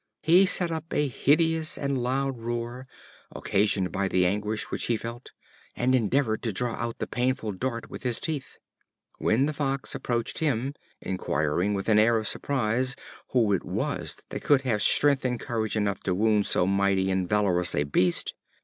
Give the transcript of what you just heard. He set up an hideous and loud roar, occasioned by the anguish which he felt, and endeavored to draw out the painful dart with his teeth; when the Fox, approaching him, inquired with an air of surprise who it was that could have strength and courage enough to wound so mighty and valorous a beast!